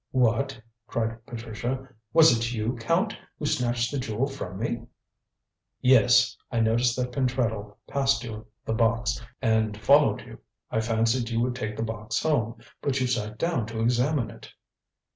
"What?" cried Patricia. "Was it you, Count, who snatched the jewel from me?" "Yes. I noticed that Pentreddle passed you the box, and followed you. I fancied you would take the box home, but you sat down to examine it."